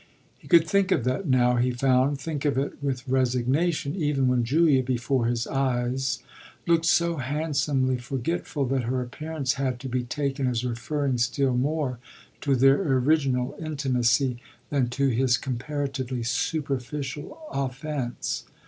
He could think of that now, he found think of it with resignation even when Julia, before his eyes, looked so handsomely forgetful that her appearance had to be taken as referring still more to their original intimacy than to his comparatively superficial offence.